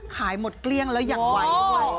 ขายหมดเกลี้ยงแล้วอยากไหว